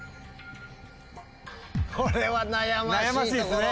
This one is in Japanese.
これは悩ましいところ。